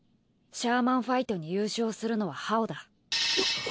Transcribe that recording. シャーマンファイトに優勝するのは葉王だ。